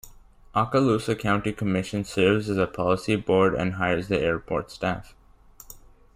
Okaloosa County Commission serves as a policy board and hires the airport staff.